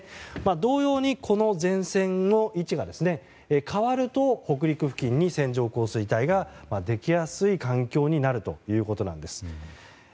同様に、前線の位置が変わると北陸付近に線状降水帯ができやすい環境になるということです。